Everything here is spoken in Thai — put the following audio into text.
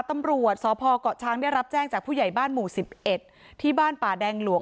ตำรวจสพเกาะช้างได้รับแจ้งจากผู้ใหญ่บ้านหมู่๑๑ที่บ้านป่าแดงหลวง